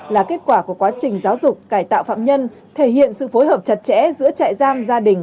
là kết quả của quá trình giáo dục cải tạo phạm nhân thể hiện sự phối hợp chặt chẽ giữa trại giam gia đình